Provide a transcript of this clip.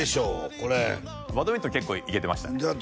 これバドミントン結構いけてましたねだ